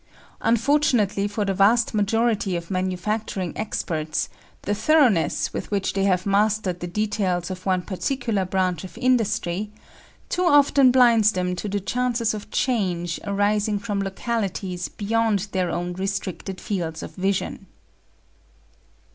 Unfortunately for the vast majority of manufacturing experts, the thoroughness with which they have mastered the details of one particular branch of industry too often blinds them to the chances of change arising from localities beyond their own restricted fields of vision.